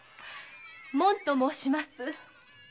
“もん”と申します。